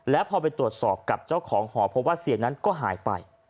แล้วพอไปตรวจสอบกับเจ้าของหอพบว่าเสียนั้นก็หายไป